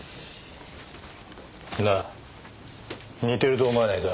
なあ似てると思わないか？